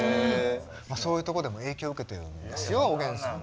そういうとこでも影響を受けてるんですよおげんさんは。